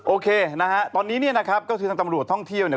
โอเคนะฮะตอนนี้เนี่ยนะครับก็คือทางตำรวจท่องเที่ยวเนี่ย